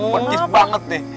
bencis banget nih